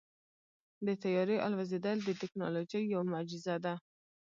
د طیارې الوزېدل د تیکنالوژۍ یوه معجزه ده.